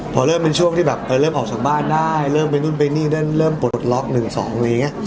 พอเริ่มเป็นช่วงที่แบบเริ่มออกจากบ้านได้เริ่มไปนู่นไปนี่เริ่มปลดล็อคหนึ่งสอง